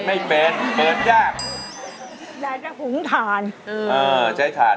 สวัสดีครับคุณหน่อย